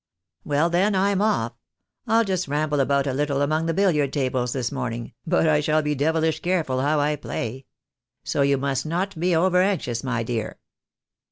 " Well then, I'm off. I'll just ramble about a little among the billiard tables this morning, but I shall be devilish careful how I play. So you must not be over anxious, my dear."